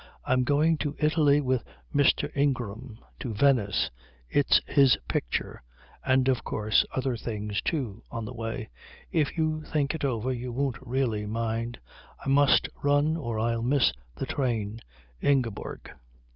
"_I'm going to Italy with Mr. Ingram to Venice it's his picture and of course other things, too on the way if you think it over you won't really mind I must run or I'll miss the train _ "INGEBORG."